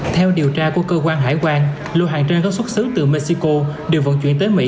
theo điều tra của cơ quan hải quan lô hàng trên có xuất xứ từ mexico được vận chuyển tới mỹ